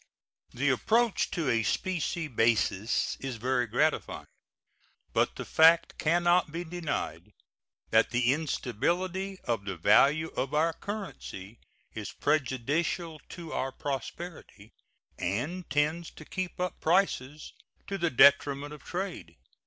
The approach to a specie basis is very gratifying, but the fact can not be denied that the instability of the value of our currency is prejudicial to our prosperity, and tends to keep up prices, to the detriment of trade.